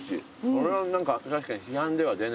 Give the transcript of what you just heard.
これは何か確かに市販では出ない感じ。